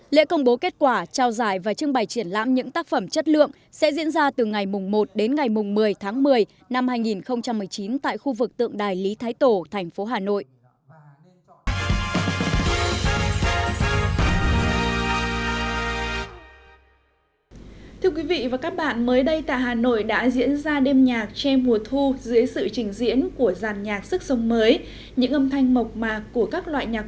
lễ công bố kết quả trao giải và trưng bày triển lãm những tác phẩm chất lượng sẽ diễn ra từ ngày một đến ngày một mươi tháng một mươi năm hai nghìn một mươi chín tại khu vực tượng đài lý thái tổ thành phố hà nội